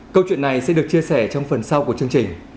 câu chuyện này sẽ được chia sẻ trong phần sau của chương trình